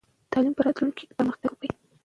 تعلیم به راتلونکې کې پرمختګ وکړي.